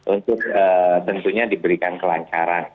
untuk tentunya diberikan kelancaran